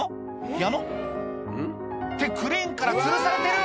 ピアノ？ってクレーンからつるされてる！